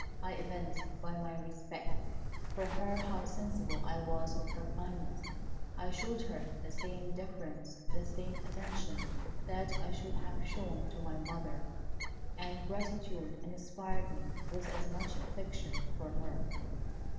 I evinced by my respect for her how sensible I was of her kindness. I showed her the same deference, the same attention that I should have shown to my mother, and gratitude inspired me with as much affection for her.